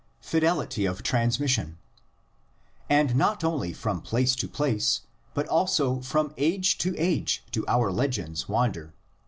FIDELITY OF TRANSMISSION. And not only from place to place, but also from age to age, do our legends wander.